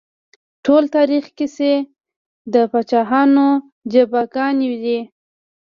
ټول تاريخ کيسې د پاچاهانو جفاګانې دي